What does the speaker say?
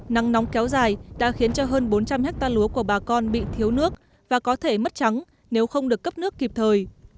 nắng nóng kéo dài đã khiến cho hơn bốn trăm linh hectare lúa của bà con bị thiếu nước và có thể mất trắng nếu không được cấp nước kịp thời